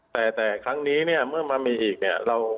แต่แต่ครั้งนี้เมื่อมามีอีกเรามีการ